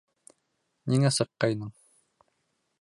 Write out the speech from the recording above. Ниңә сыҡҡайның?